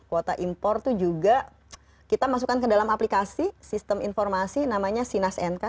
kuota impor itu juga kita masukkan ke dalam aplikasi sistem informasi namanya sinas nk